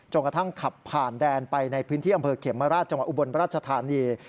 กระทั่งขับผ่านแดนไปในพื้นที่อำเภอเขมราชจังหวัดอุบลราชธานี